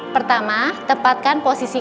pertama tepatkan posisi